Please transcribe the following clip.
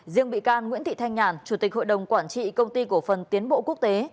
riêng bị can nguyễn thị thanh nhàn chủ tịch hội đồng quản trị công ty cổ phần tiến bộ quốc tế